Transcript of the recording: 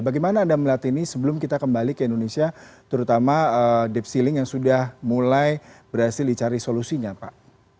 bagaimana anda melihat ini sebelum kita kembali ke indonesia terutama deep ceeling yang sudah mulai berhasil dicari solusinya pak